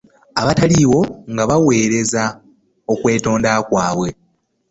Abataaliwo nga baaweereza okwetonda kwabwe.